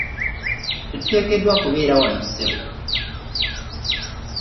Tetuteekeddwa kubeera wano ssebo?